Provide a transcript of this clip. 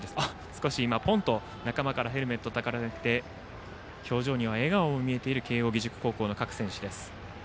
少し今、ポンと仲間からヘルメットをたたかれて表情には笑顔も見えている慶応義塾高校の各選手です。